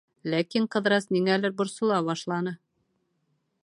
Ләкин Ҡыҙырас ниңәлер борсола башланы.